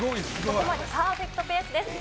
ここまでパーフェクトペースです。